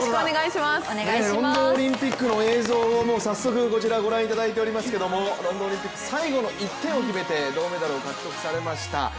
ロンドンオリンピックの映像を早速ご覧いただいていますけどロンドンオリンピック、最後の１点を決めて銅メダルを獲得されました。